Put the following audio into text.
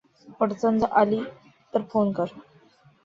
अडचण आली तर फोन कर.